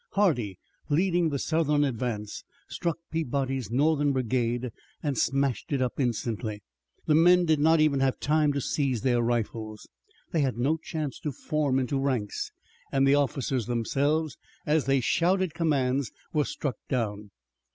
Hardee, leading the Southern advance, struck Peabody's Northern brigade and smashed it up instantly. The men did not have time to seize their rifles. They had no chance to form into ranks, and the officers themselves, as they shouted commands, were struck down.